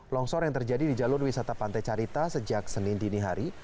longsor yang terjadi di jalur wisata pantai carita sejak senin dini hari